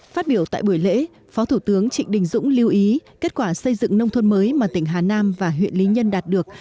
phát biểu tại buổi lễ phó thủ tướng trịnh đình dũng lưu ý kết quả xây dựng nông thôn mới mà tỉnh hà nam và huyện lý nhân đạt được